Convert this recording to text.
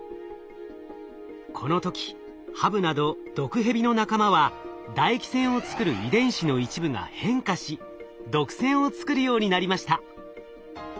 この時ハブなど毒ヘビの仲間は唾液腺を作る遺伝子の一部が変化し毒腺を作るようになりました。